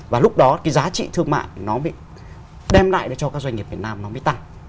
và lúc đó cái giá trị thương mại nó bị đem lại cho các doanh nghiệp việt nam nó mới tăng